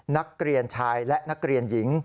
นักเรียนชายและนักเรียนหญิง